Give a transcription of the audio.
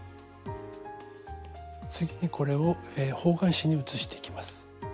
次にこれを方眼紙に写していきます。